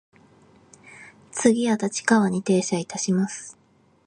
次は立川に停車いたします。